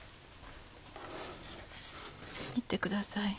切ってください